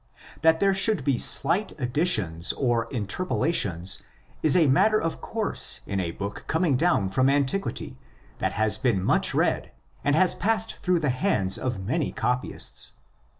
That there should be slight additions or interpolations is & matter of course in a book coming down from antiquity that has been much read, and has passed through the hands of many copyists.